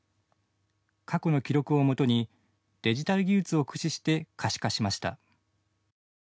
過去の記録をもとにデジタル技術を駆使して可視化しました。